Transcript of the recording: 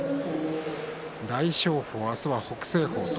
大翔鵬は明日は北青鵬と。